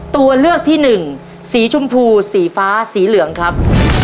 ตัวเลือกที่หนึ่งสีชมพูสีฟ้าสีเหลืองครับ